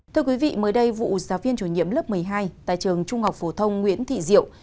thưa quý vị mới đây vụ giáo viên chủ nhiệm lớp một mươi hai tại trường trung học phổ thông nguyễn thị diệu